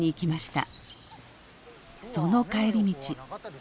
その帰り道。